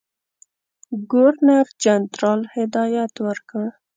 ګورنرجنرال هدایت ورکړ.